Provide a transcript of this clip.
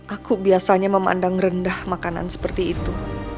aku biasanya memandang rendah makanan seperti itu